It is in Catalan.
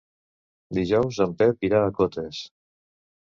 Dijous en Pep irà a Cotes.